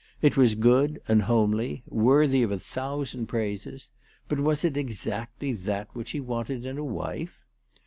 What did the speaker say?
It was good and homely, worthy of a thousand praises; but was it exactly that which he wanted in a wife